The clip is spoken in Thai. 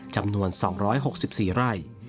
จำนวน๒๖๔ไร่